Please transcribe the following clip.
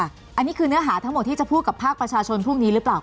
อันนี้คือเนื้อหาทั้งหมดที่จะพูดกับภาคประชาชนพรุ่งนี้หรือเปล่า